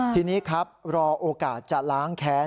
ทีนี้ครับรอโอกาสจะล้างแค้น